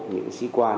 những sĩ quan